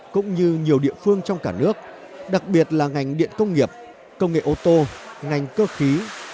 cũng như nhiều địa phương trong cả nước đặc biệt là ngành điện công nghiệp công nghệ ô tô ngành cơ khí